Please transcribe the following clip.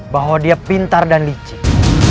bahwa dia pintar dan licin